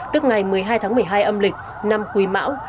tức ngày một mươi hai tháng một mươi hai âm lịch năm quý mão